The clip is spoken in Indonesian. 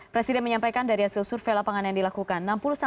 presiden menyampaikan dari hasil survei lapangan yang dilakukan